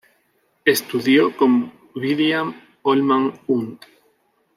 Estudió con William Holman Hunt.